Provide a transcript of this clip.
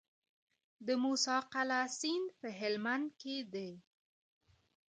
د موسی قلعه سیند په هلمند کې دی